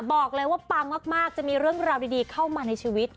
บอกเลยว่าปังมากจะมีเรื่องราวดีเข้ามาในชีวิต